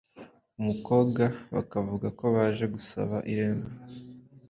umukobwa bakavuga ko baje gusaba irembo